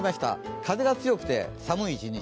風が強くて、寒い一日。